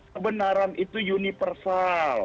kebenaran itu universal